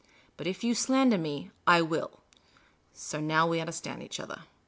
But if you slander me, I will. So now we understand one another."